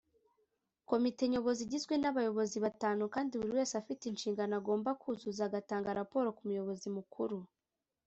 Komite Nyobozi igizwe n’ Abayobozi batanu kandi buri wese afite inshingano agomba kuzuza agatanga raporo ku muyobozi mukuru.